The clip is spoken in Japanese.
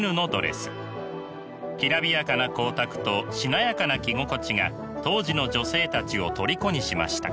きらびやかな光沢としなやかな着心地が当時の女性たちをとりこにしました。